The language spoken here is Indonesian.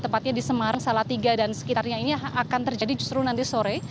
tepatnya di semarang salatiga dan sekitarnya ini akan terjadi justru nanti sore